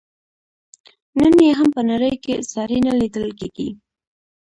نن یې هم په نړۍ کې ساری نه لیدل کیږي.